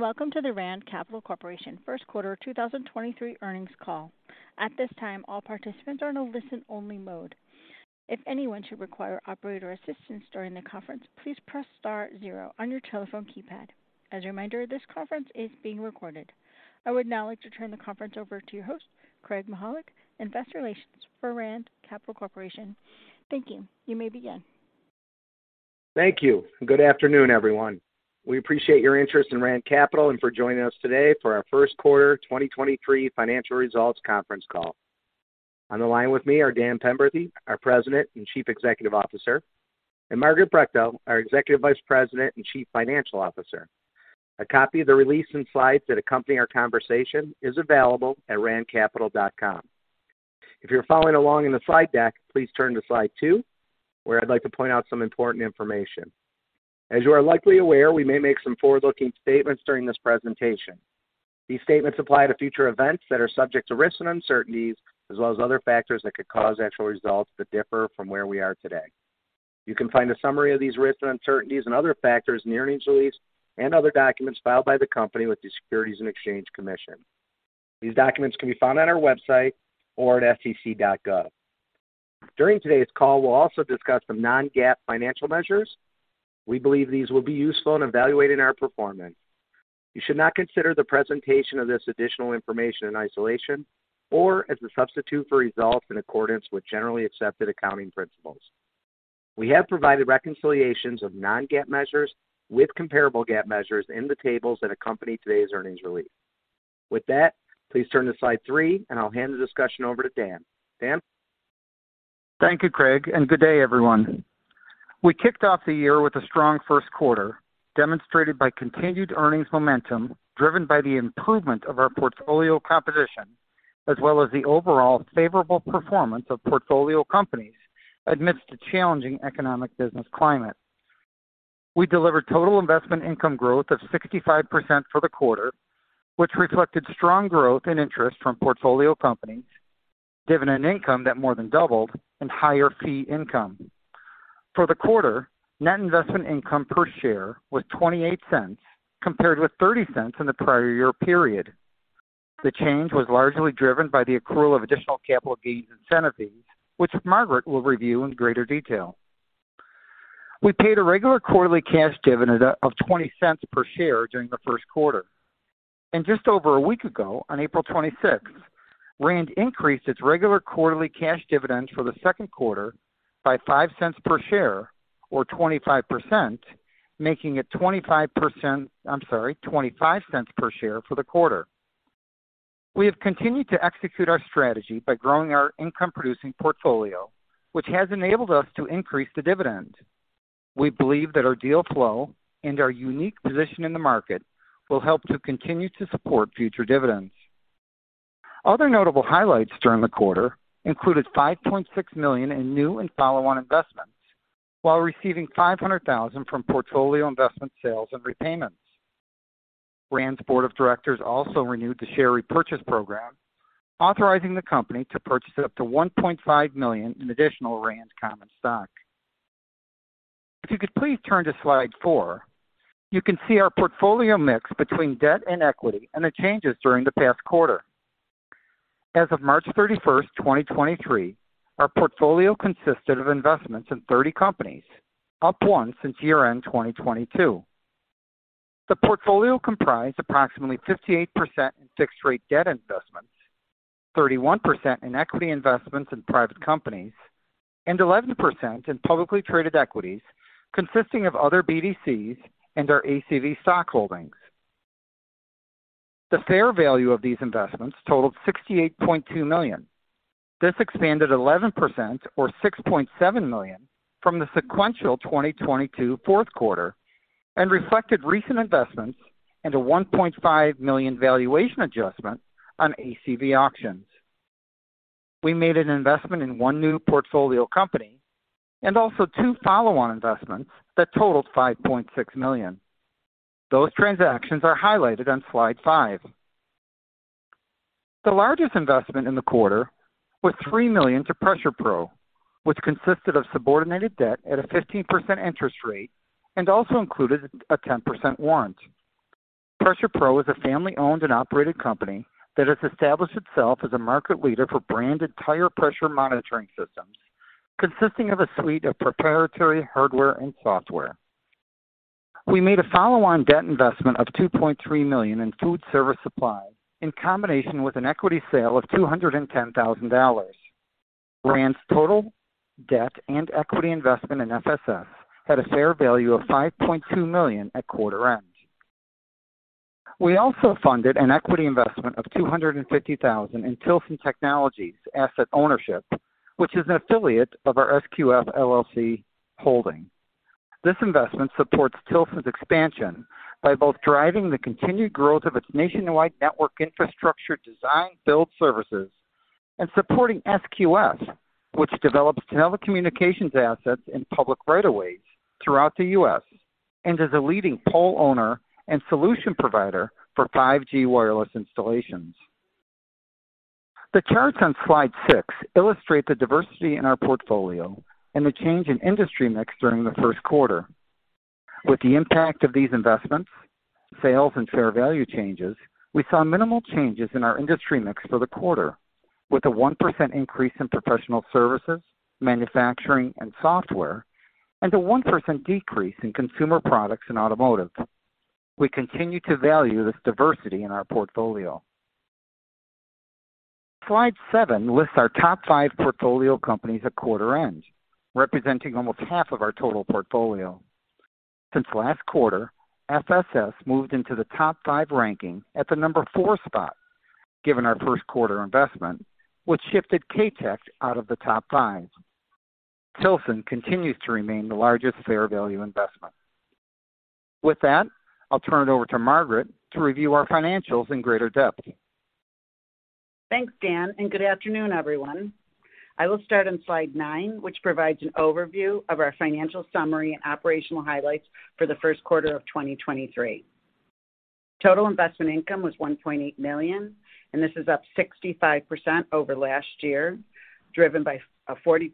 Welcome to the Rand Capital Corporation Q1 2023 Earnings Call. At this time, all participants are in a listen-only mode. If anyone should require operator assistance during the conference, please press star zero on your telephone keypad. As a reminder, this conference is being recorded. I would now like to turn the conference over to your host, Craig Mychajluk, Investor Relations for Rand Capital Corporation. Thank you. You may begin. Thank you. Good afternoon, everyone. We appreciate your interest in Rand Capital and for joining us today for our Q1 2023 Financial Results Conference Call. On the line with me are Dan Penberthy, our President and Chief Executive Officer, and Margaret Brechtel, our Executive Vice President and Chief Financial Officer. A copy of the release and slides that accompany our conversation is available at randcapital.com. If you're following along in the slide deck, please turn to slide 2, where I'd like to point out some important information. As you are likely aware, we may make some forward-looking statements during this presentation. These statements apply to future events that are subject to risks and uncertainties, as well as other factors that could cause actual results to differ from where we are today. You can find a summary of these risks and uncertainties and other factors in the earnings release and other documents filed by the company with the Securities and Exchange Commission. These documents can be found on our website or at sec.gov. During today's call, we'll also discuss some non-GAAP financial measures. We believe these will be useful in evaluating our performance. You should not consider the presentation of this additional information in isolation or as a substitute for results in accordance with generally accepted accounting principles. We have provided reconciliations of non-GAAP measures with comparable GAAP measures in the tables that accompany today's earnings release. With that, please turn to slide 3, and I'll hand the discussion over to Dan. Dan? Thank you, Craig. Good day, everyone. We kicked off the year with a strong Q1, demonstrated by continued earnings momentum driven by the improvement of our portfolio composition, as well as the overall favorable performance of portfolio companies amidst a challenging economic business climate. We delivered total investment income growth of 65% for the quarter, which reflected strong growth in interest from portfolio companies, dividend income that more than doubled, and higher fee income. For the quarter, net investment income per share was $0.28, compared with $0.30 in the prior year period. The change was largely driven by the accrual of additional capital gains and incentive fees, which Margaret will review in greater detail. We paid a regular quarterly cash dividend of $0.20 per share during the Q1. Just over a week ago, on April 26th, Rand increased its regular quarterly cash dividends for the Q2 by $0.05 per share or 25%, making it $0.25 per share for the quarter. We have continued to execute our strategy by growing our income-producing portfolio, which has enabled us to increase the dividend. We believe that our deal flow and our unique position in the market will help to continue to support future dividends. Other notable highlights during the quarter included $5.6 million in new and follow-on investments while receiving $500,000 from portfolio investment sales and repayments. RAND's board of directors also renewed the share repurchase program, authorizing the company to purchase up to $1.5 million in additional RAND common stock. If you could please turn to slide 4, you can see our portfolio mix between debt and equity and the changes during the past quarter. As of March 31st, 2023, our portfolio consisted of investments in 30 companies, up one since year-end 2022. The portfolio comprised approximately 58% in fixed-rate debt investments, 31% in equity investments in private companies, and 11% in publicly traded equities consisting of other BDCs and our ACV stock holdings. The fair value of these investments totaled $68.2 million. This expanded 11% or $6.7 million from the sequential 2022 Q4 and reflected recent investments and a $1.5 million valuation adjustment on ACV Auctions. We made an investment in one new portfolio company and also two follow-on investments that totaled $5.6 million. Those transactions are highlighted on slide 5. The largest investment in the quarter was $3 million to PressurePro, which consisted of subordinated debt at a 15% interest rate and also included a 10% warrant. PressurePro is a family-owned and operated company that has established itself as a market leader for branded tire pressure monitoring systems consisting of a suite of proprietary hardware and software. We made a follow-on debt investment of $2.3 million in Food Service Supply in combination with an equity sale of $210,000. RAND's total debt and equity investment in FSS had a fair value of $5.2 million at quarter end. We also funded an equity investment of $250,000 in Tilson Technology asset ownership, which is an affiliate of our SQF, LLC holding. This investment supports Tilson's expansion by both driving the continued growth of its nationwide network infrastructure design build services and supporting SQF, which develops telecommunications assets in public right-of-ways throughout the U.S. and is a leading pole owner and solution provider for 5G wireless installations. The charts on slide 6 illustrate the diversity in our portfolio and the change in industry mix during the Q1. With the impact of these investments, sales and fair value changes, we saw minimal changes in our industry mix for the quarter, with a 1% increase in professional services, manufacturing and software, and a 1% decrease in consumer products and automotive. We continue to value this diversity in our portfolio. Slide 7 lists our top five portfolio companies at quarter end, representing almost half of our total portfolio. Since last quarter, FSS moved into the top five ranking at the number four spot, given our Q1 investment, which shifted K-Tech out of the top five. Tilson continues to remain the largest fair value investment. With that, I'll turn it over to Margaret to review our financials in greater depth. Thanks, Dan, and good afternoon, everyone. I will start on slide 9, which provides an overview of our financial summary and operational highlights for the Q1 of 2023. Total investment income was $1.8 million, This is up 65% over last year, driven by a 42%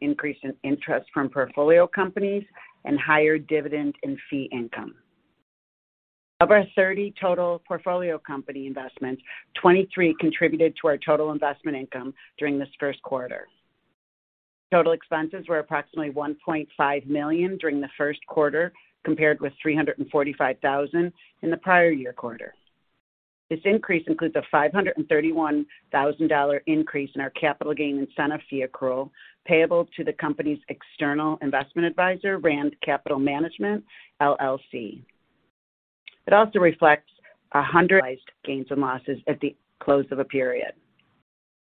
increase in interest from portfolio companies and higher dividend and fee income. Of our 30 total portfolio company investments, 23 contributed to our total investment income during this Q1. Total expenses were approximately $1.5 million during the Q1, compared with $345,000 in the prior year quarter. This increase includes a $531,000 increase in our capital gains incentive fee accrual payable to the company's external investment advisor, Rand Capital Management, LLC. It also reflects 100 gains and losses at the close of a period.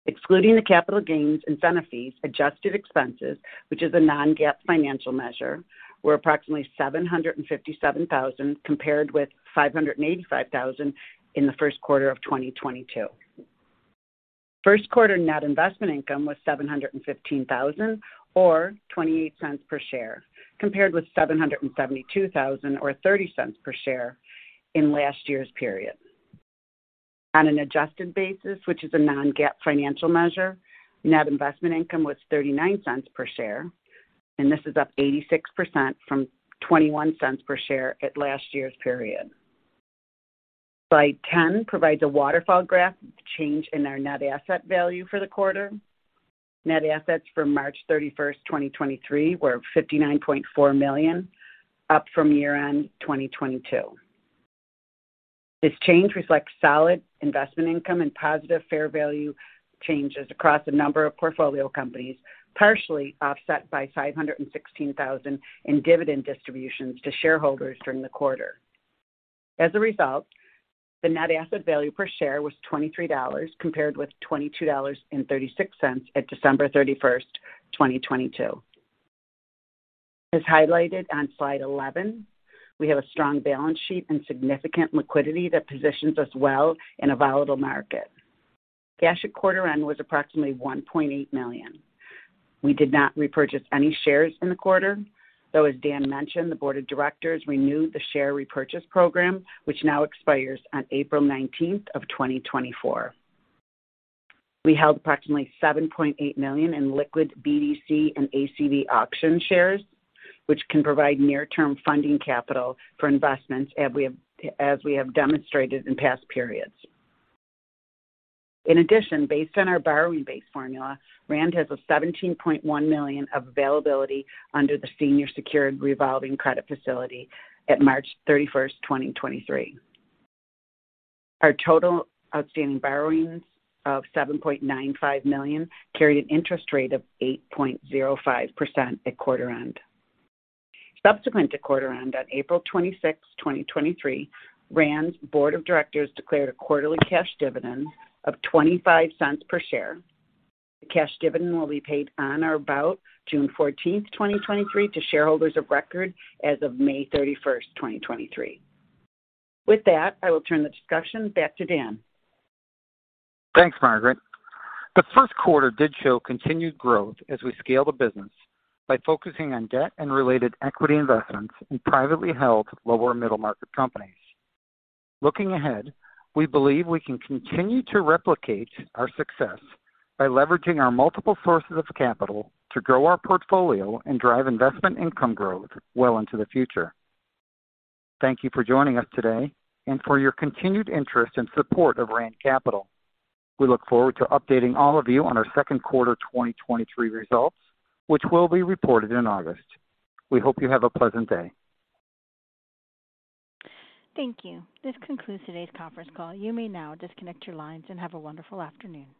Excluding the capital gains incentive fees, adjusted expenses, which is a non-GAAP financial measure, were approximately $757,000, compared with $585,000 in the Q1 of 2022. Q1 net investment income was $715,000 or $0.28 per share, compared with $772,000 or $0.30 per share in last year's period. On an adjusted basis, which is a non-GAAP financial measure, net investment income was $0.39 per share, this is up 86% from $0.21 per share at last year's period. Slide 10 provides a waterfall graph change in our net asset value for the quarter. Net assets for March 31st, 2023 were $59.4 million, up from year-end 2022. This change reflects solid investment income and positive fair value changes across a number of portfolio companies, partially offset by $516,000 in dividend distributions to shareholders during the quarter. As a result, the net asset value per share was $23, compared with $22.36 at December 31st, 2022. As highlighted on slide 11, we have a strong balance sheet and significant liquidity that positions us well in a volatile market. Cash at quarter end was approximately $1.8 million. We did not repurchase any shares in the quarter, though, as Dan mentioned, the board of directors renewed the share repurchase program, which now expires on April 19th, 2024. We held approximately $7.8 million in liquid BDC and ACV Auctions shares, which can provide near-term funding capital for investments as we have demonstrated in past periods. In addition, based on our borrowing base formula, RAND has $17.1 million of availability under the senior secured revolving credit facility at March 31st, 2023. Our total outstanding borrowings of $7.95 million carried an interest rate of 8.05% at quarter end. Subsequent to quarter end on April 26, 2023, RAND's board of directors declared a quarterly cash dividend of $0.25 per share. The cash dividend will be paid on or about June 14, 2023 to shareholders of record as of May 31st, 2023. With that, I will turn the discussion back to Dan. Thanks, Margaret. The Q1 did show continued growth as we scale the business by focusing on debt and related equity investments in privately held lower middle market companies. Looking ahead, we believe we can continue to replicate our success by leveraging our multiple sources of capital to grow our portfolio and drive investment income growth well into the future. Thank you for joining us today and for your continued interest and support of Rand Capital. We look forward to updating all of you on our Q2 2023 results, which will be reported in August. We hope you have a pleasant day. Thank you. This concludes today's conference call. You may now disconnect your lines and have a wonderful afternoon.